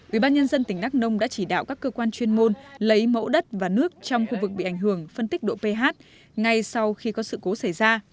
ủy ban nhân dân tỉnh đắk nông đã chỉ đạo các cơ quan chuyên môn lấy mẫu đất và nước trong khu vực bị ảnh hưởng phân tích độ ph ngay sau khi có sự cố xảy ra